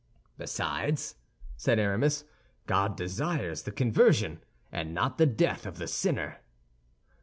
"Besides," said Aramis, "God desires the conversion and not the death of a sinner."